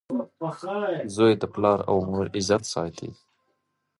• زوی د پلار او مور عزت ساتي.